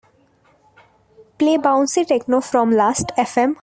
Play bouncy techno from Lastfm.